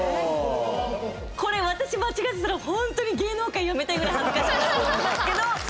これ私、間違ってたら本当に芸能界、辞めたいぐらい恥ずかしいですけど。